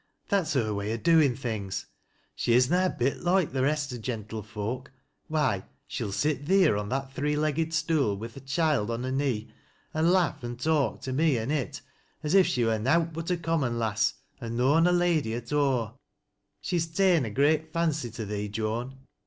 That's her way o' doin' things. She is na a bit loike the rest o' gentlefolk. AVTiy, she'll sit theer on that three legged stool wi' the choild on her knee an' lafi an' talk to me an' it, as if she wur nowt but a common lass an' noan a lady at aw. She's ta'en a great fancy to thoe, Joan.